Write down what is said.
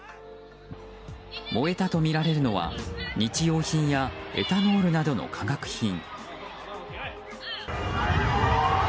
燃えたとみられるのは日用品やエタノールなどの化学品。